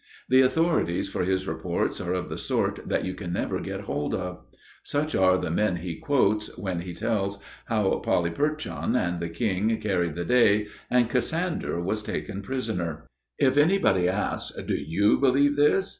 The authorities for his reports are of the sort that you can never get hold of. Such are the men he quotes when he tells how Polyperchon and the king carried the day and Cassander was taken prisoner. If anybody asks: "Do you believe this?"